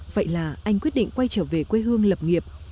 vậy là anh quyết định quay trở về quê hương lập nghiệp